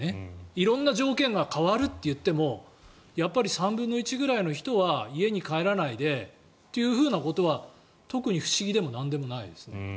色んな条件が変わるといっても３分の１くらいの人は家に帰らないでということは特に不思議でもなんでもないですね。